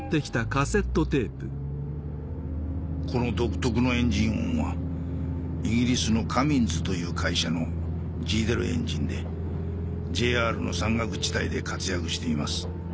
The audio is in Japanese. この独特のエンジン音はイギリスのカミンズという会社のディーゼル・エンジンでＪＲの山岳地帯で活躍しています。